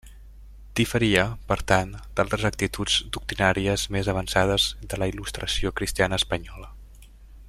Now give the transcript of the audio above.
Diferia, per tant, d'altres actituds doctrinàries més avançades de la Il·lustració cristiana espanyola.